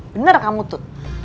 bener kamu tut